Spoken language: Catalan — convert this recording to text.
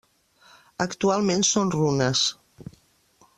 Actualment són runes.